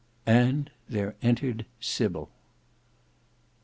And there entered SYBIL.